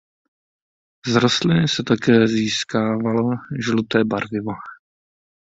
Z rostliny se také získávalo žluté barvivo.